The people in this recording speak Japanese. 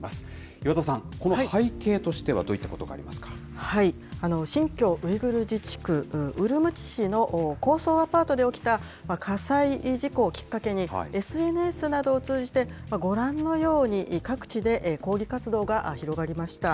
岩田さん、この背景としては、ど新疆ウイグル自治区ウルムチ市の高層アパートで起きた火災事故をきっかけに、ＳＮＳなどを通じて、ご覧のように、各地で抗議活動が広がりました。